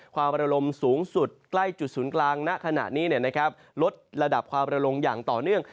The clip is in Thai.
ความระลมสูงสุดใกล้จุดศูนย์กลางณขณะนี้ลดระดับความระลงอย่างต่อเนื่อง